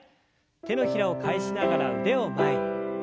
手のひらを返しながら腕を前に。